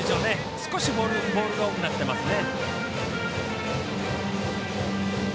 少しボールが多くなっていますね。